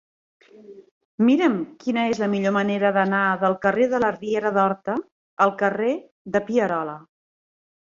Mira'm quina és la millor manera d'anar del carrer de la Riera d'Horta al carrer de Pierola.